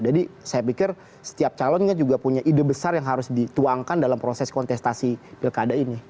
saya pikir setiap calon kan juga punya ide besar yang harus dituangkan dalam proses kontestasi pilkada ini